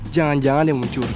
jangan jangan dia mau curi